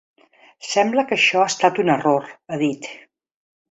Sembla que això ha estat un error, ha dit.